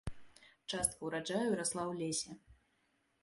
Частка ўраджаю расла ў лесе.